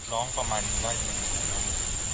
ร้องประมาณไหน